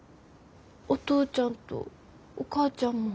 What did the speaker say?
お父ちゃんとお母ちゃんも。